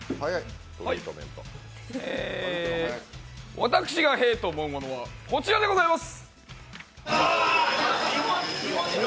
私がへぇと思うものは、こちらでございます。